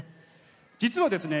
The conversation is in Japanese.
実はですね